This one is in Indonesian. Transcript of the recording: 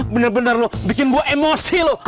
benar benar bikin gue emosi